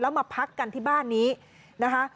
มาพักกันที่บ้านนี้นะคะ